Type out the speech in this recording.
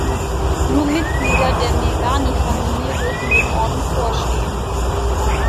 Nur Mitglieder der Mirghani-Familie dürfen dem Orden vorstehen.